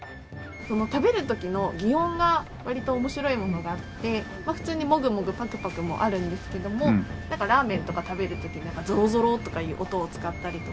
食べる時の擬音が割と面白いものがあって普通に「もぐもぐ」「パクパク」もあるんですけどもなんかラーメンとか食べる時「ゾロゾロ」とかいう音を使ったりとか。